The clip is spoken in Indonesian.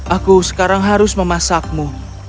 aku sekarang harus memasakmu